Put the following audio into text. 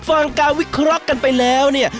ฟังการวิเคราะห์กันไปแล้วเนี่ย